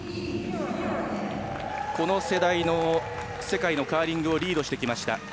この世代の世界のカーリングをリードしてきました